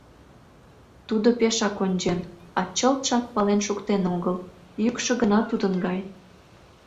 Тудо пешак ончен, а чылтшак пален шуктен огыл, йӱкшӧ гына тудын гай.